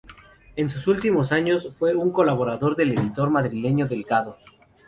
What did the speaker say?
En sus últimos años fue un colaborador del editor madrileño Delgado